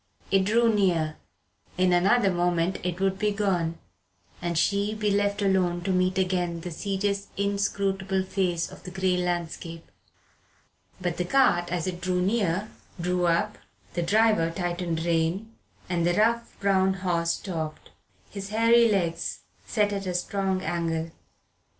It drew near. In another moment it would be gone, and she be left alone to meet again the serious inscrutable face of the grey landscape. But the cart as it drew near drew up, the driver tightened rein, and the rough brown horse stopped his hairy legs set at a strong angle.